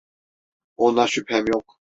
Ona şüphem yok.